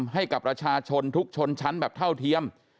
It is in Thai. ให้กับประชาชนทุกชนชั้นแบบเท่าเทียม